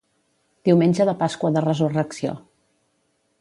Diumenge de Pasqua de Resurrecció.